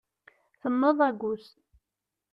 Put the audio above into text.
Tenneḍ agus.